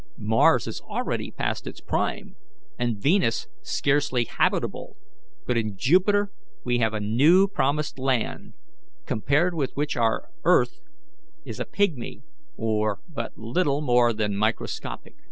Mars is already past its prime, and Venus scarcely habitable, but in Jupiter we have a new promised land, compared with which our earth is a pygmy, or but little more than microscopic."